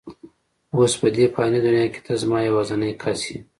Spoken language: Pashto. اوس په دې فاني دنیا کې ته زما یوازینۍ کس یې.